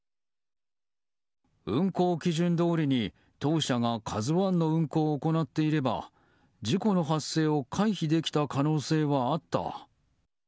運航基準どおりに当社が「ＫＡＺＵ１」の運航を行っていれば事故の発生を回避できた可能性はあった。